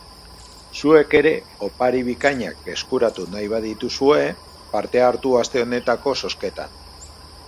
Zuk ere opari bikainak eskuratu nahi badituzue, parte hartu aste honetako zozketan.